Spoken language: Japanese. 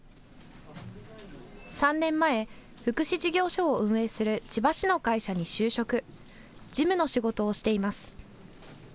３年前、福祉事業所を運営する千葉市の会社に就職、事務の仕事をしています。